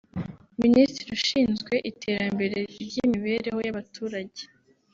Minisitiri ushinzwe iterambere ry’imibereho y’abaturage